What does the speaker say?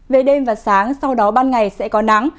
về đêm và sáng sau đó ban ngày sẽ có nắng